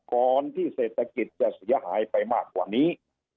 ก่อนที่เศรษฐกิจจะเสียหายไปมากกว่านี้